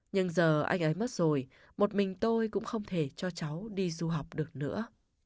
nhưng giờ anh ấy mất rồi một mình tôi cũng không thể cho cháu đi du học được nữa